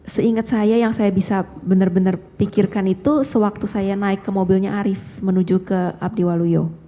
seingat saya yang saya bisa benar benar pikirkan itu sewaktu saya naik ke mobilnya arief menuju ke abdi waluyo